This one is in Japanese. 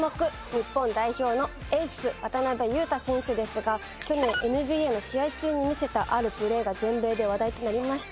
日本代表のエース渡邊雄太選手ですが去年ＮＢＡの試合中に見せたあるプレーが全米で話題となりました。